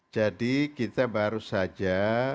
jadi kita baru saja